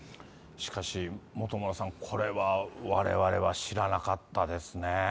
しかし、本村さん、これはわれわれは知らなかったですね。